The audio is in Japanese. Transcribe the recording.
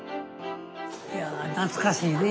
いや懐かしいね。